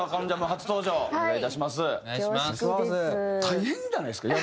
大変じゃないですか？